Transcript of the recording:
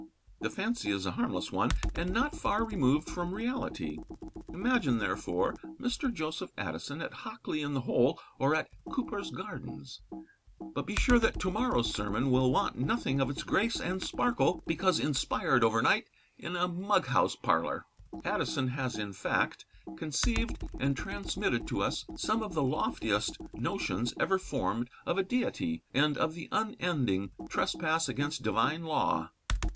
The fancy is a harmless one, and not far removed from reality. Imagine, therefore, Mr. Joseph Addison at Hockley in the Hole or at Cupar's Gardens, but be sure that to morrow's sermon will want nothing of its grace and sparkle because inspired over night in a mug house parlour. Addison has in fact conceived and transmitted to us some of the loftiest notions ever formed of a Deity, and of the unending trespass against divine law.